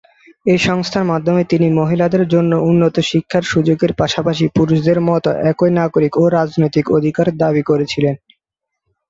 এই সংস্থার মাধ্যমে তিনি মহিলাদের জন্য উন্নত শিক্ষার সুযোগের পাশাপাশি পুরুষদের মতো একই নাগরিক ও রাজনৈতিক অধিকারের দাবি করেছিলেন।